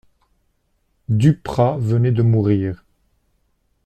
Duprat venait de mourir.